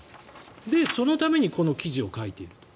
そのためにこの記事を書いていると。